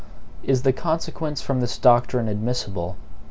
Is the CONSEQUENCE from this doctrine admissible?